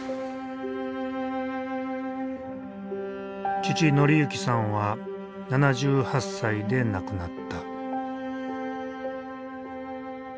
父紀幸さんは７８歳で亡くなった。